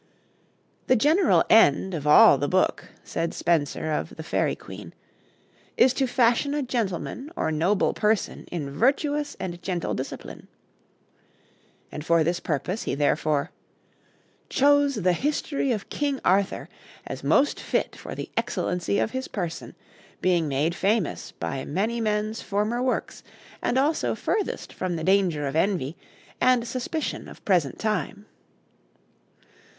"The generall end of all the booke," said Spenser of the 'Faerie Queene,' "is to fashion a gentleman or noble person in vertuous and gentle discipline;" and for this purpose he therefore "chose the historye of King Arthure, as most fitte for the excellency of his person, being made famous by many men's former workes, and also furthest from the daunger of envie, and suspition of present tyme."